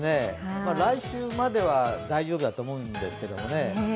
来週までは大丈夫だと思いますけどね。